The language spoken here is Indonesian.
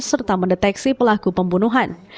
serta mendeteksi pelaku pembunuhan